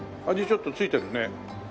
ちょっと付いてるね。